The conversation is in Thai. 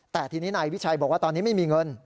แต่ทีนี้นายวิชัยบอกว่าตอนนี้ไม่มีเงิน